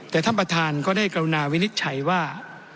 แต่ท่านประธานก็ได้กรุณาวินิจฉัยว่า